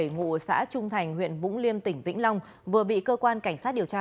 ngụ xã trung thành huyện vũng liêm tỉnh vĩnh long vừa bị cơ quan cảnh sát điều tra